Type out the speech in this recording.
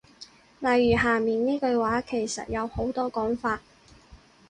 例如下面呢句話其實有好多講法